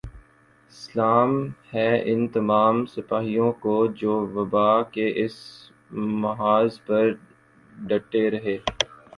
سلام ہے ان تمام سپاہیوں کو جو وبا کے اس محاذ پر ڈٹے رہے